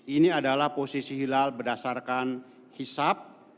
ini adalah posisi hilal berdasarkan hisap